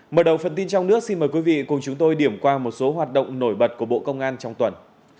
mở đầu phần tin trong nước xin mời quý vị cùng chúng tôi điểm qua một số hoạt động nổi bật của bộ công an trong tuần